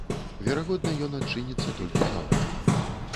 Верагодна, ён адчыніцца толькі заўтра.